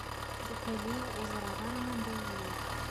Imeddukal-iw ur ẓriɣ ara anda i lliɣ